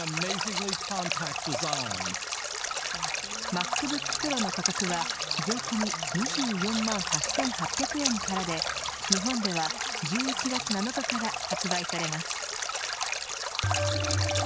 ＭａｃＢｏｏｋＰｒｏの価格は税込み２４万８８００円からで日本では１１月７日から発売されます。